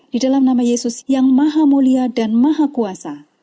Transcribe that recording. di dalam nama yesus yang maha mulia dan maha kuasa